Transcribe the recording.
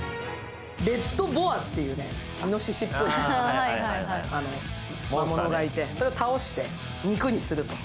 レッドボアといういのししみたいな魔物がいて、それを倒して肉にすると。